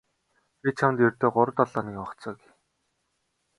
Би чамд ердөө гурав хоногийн хугацаа өгье.